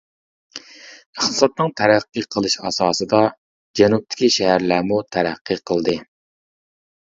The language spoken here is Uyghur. ئىقتىسادنىڭ تەرەققىي قىلىشى ئاساسىدا، جەنۇبتىكى شەھەرلەرمۇ تەرەققىي قىلدى.